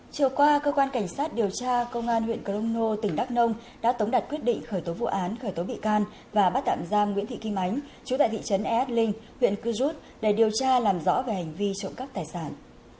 chiều qua cơ quan cảnh sát điều tra công an huyện crono tỉnh đắk nông đã tống đặt quyết định khởi tố vụ án khởi tố bị can và bắt tạm giam nguyễn thị kim ánh chú tại thị trấn e ad linh huyện cư rút để điều tra làm rõ về hành vi trộm cắp tài sản